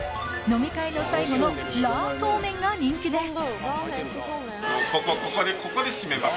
飲み会の最後のラーソーメンが人気です